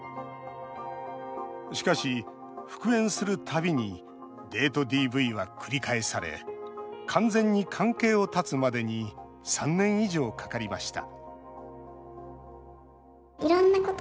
しかし、復縁するたびにデートＤＶは繰り返され完全に関係を断つまでに３年以上かかりました